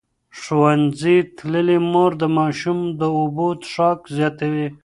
ښوونځې تللې مور د ماشوم د اوبو څښاک زیاتوي.